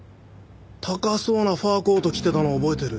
高そうなファーコート着てたのを覚えてる。